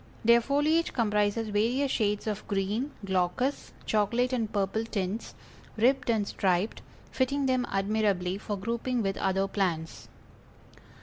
Their foliage comprises various shades of green, glaucous, chocolate and purple tints, ribbed and striped, fitting them admirably for grouping with other plants.